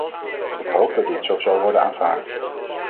Ik hoop dat dit zo zal worden aanvaard.